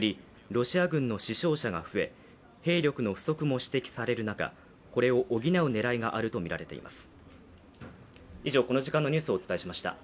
ロシア軍の死傷者が増え兵力の不足も指摘される中、これを補う狙いがあるとみられています。